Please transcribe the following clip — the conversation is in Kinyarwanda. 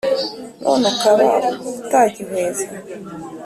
none ukaba utagihweza